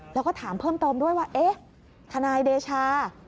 แล้วก็ถามเพิ่มเติมด้วยว่าเอ๊ะทนายเดชา